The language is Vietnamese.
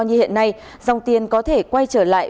như hiện nay dòng tiền có thể quay trở lại